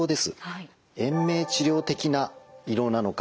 延命治療的な胃ろうなのか